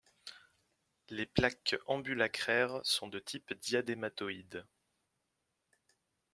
Les plaques ambulacraires sont de type diadématoïde.